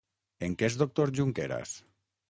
En què és doctor Junqueras?